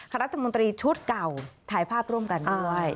รัฐมนตรีชุดเก่าถ่ายภาพร่วมกันด้วย